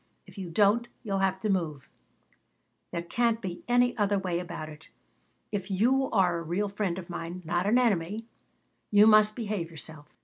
If you don't you'll have to move. There can't be any other way about it. If you are a real friend of mine, not an enemy, you must behave yourself."